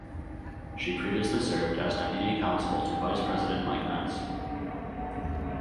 She previously served as Deputy Counsel to Vice President Mike Pence.